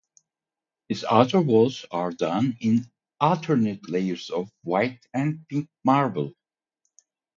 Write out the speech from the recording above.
Its outer walls are done in alternate layers of white and pink marble.